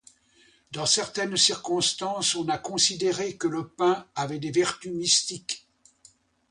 Dans certaines circonstances, on a considéré que le pain avait des vertus mystiques.